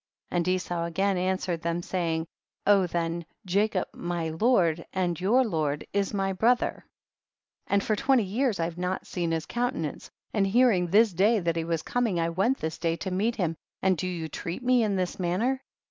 And Esau again answered them, saying, O then, Jacob my lord and your lord is my brother, and for twenty years I have not seen his countenance, and hearing this day that he was coming, I went this day to meet him, and do you treat me in this manner?